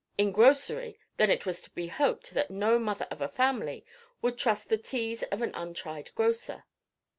If grocery, then it was to be hoped that no mother of a family would trust the teas of an untried grocer.